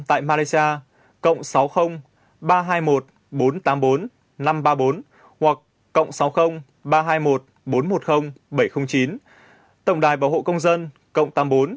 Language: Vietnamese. tại malaysia cộng sáu mươi ba trăm hai mươi một bốn trăm tám mươi bốn năm trăm ba mươi bốn hoặc cộng sáu mươi ba trăm hai mươi một bốn trăm một mươi bảy trăm linh chín tổng đài bảo hộ công dân cộng tám mươi bốn chín trăm tám mươi một tám nghìn bốn trăm tám mươi bốn